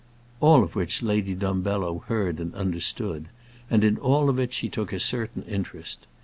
All of which Lady Dumbello heard and understood; and in all of it she took a certain interest.